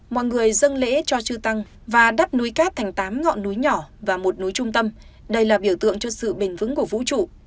mọi người dân lễ cho chư tăng và đắp núi cát thành tám ngọn núi nhỏ và một núi trung tâm đây là biểu tượng cho sự bền vững của vũ trụ